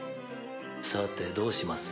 さてどうします？